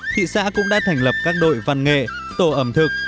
thị xã cũng đã thành lập các đội văn nghệ tổ ẩm thực